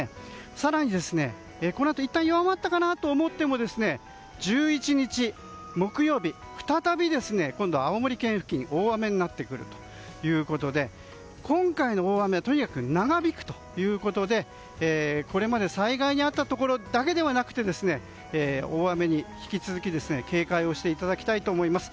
更にこのあと、いったん弱まったかなと思っても１１日、木曜日再び青森県付近で大雨になってくるということで今回の大雨とにかく長引くということでこれまで災害に遭ったところだけではなくて大雨に引き続き警戒をしていただきたいと思います。